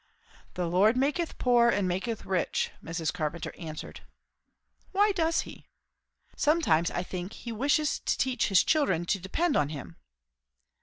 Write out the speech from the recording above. "'The Lord maketh poor and maketh rich,'" Mrs. Carpenter answered. "Why does he?" "Sometimes, I think, he wishes to teach his children to depend on him."